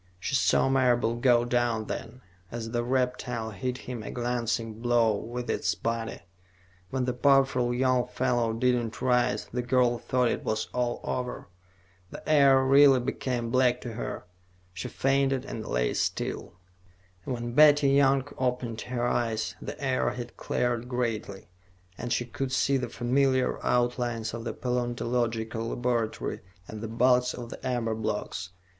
She saw Marable go down, then, as the reptile hit him a glancing blow with its body. When the powerful young fellow did not rise, the girl thought it was all over. The air really became black to her; she fainted and lay still. When Betty Young opened her eyes, the air had cleared greatly, and she could see the familiar outlines of the paleontological laboratory and the bulks of the amber blocks.